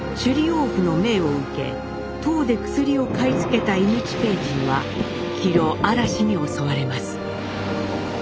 王府の命を受け唐で薬を買い付けた伊貫親雲上は帰路嵐に襲われます。